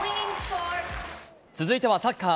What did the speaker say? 続いてはサッカー。